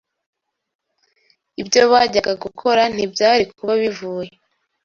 ibyo bajyaga gukora ntibyari kuba bivuye